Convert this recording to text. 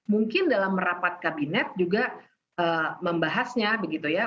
mungkin dalam merapat kabinet juga membahasnya